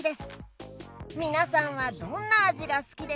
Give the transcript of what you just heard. みなさんはどんなあじがすきですか？